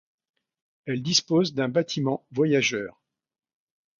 Elle dispose d'un bâtiment voyageurs.